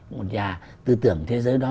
một nhà tư tưởng thế giới đó